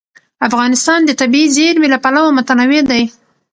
افغانستان د طبیعي زیرمې له پلوه متنوع دی.